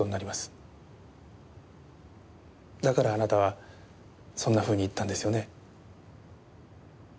だからあなたはそんなふうに言ったんですよね？